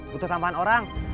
butuh tambahan orang